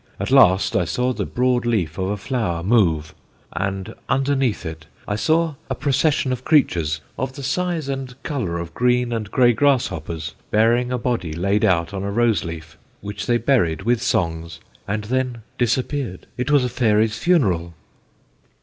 At last I saw the broad leaf of a flower move, and underneath I saw a procession of creatures, of the size and colour of green and grey grasshoppers, bearing a body laid out on a rose leaf, which they buried with songs, and then disappeared. It was a fairy's funeral!"